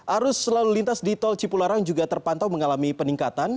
arus selalu lintas di tol cipularang juga terpantau mengalami peningkatan